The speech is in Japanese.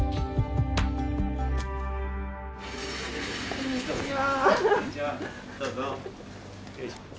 こんにちは。